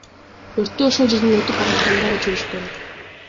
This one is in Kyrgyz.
Өрттү ошол жерден өтүп бараткандар өчүрүшкөн.